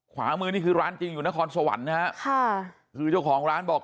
ขวามือนี่คือร้านจริงอยู่นครสวรรค์นะฮะค่ะคือเจ้าของร้านบอก